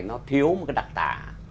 nó thiếu một cái đặc tả